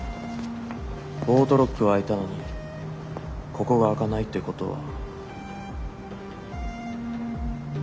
オートロックは開いたのにここが開かないってことは。